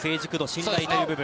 信頼という部分。